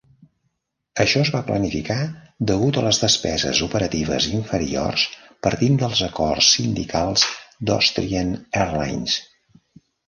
Això es va planificar degut a les despeses operatives inferiors partint dels acords sindicals d"Austrian Airlines.